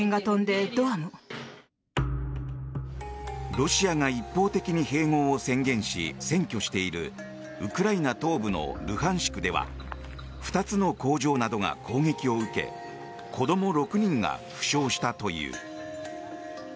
ロシアが一方的に併合を宣言し占拠しているウクライナ東部のルハンシクでは２つの工場などが攻撃を受け子ども６人が負傷したという。